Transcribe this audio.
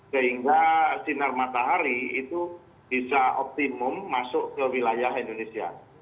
sehingga sinar matahari itu bisa optimum masuk ke wilayah indonesia